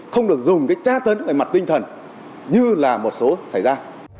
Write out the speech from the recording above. không được dùng cái trá tấn cái mặt tinh thần như là một số xảy ra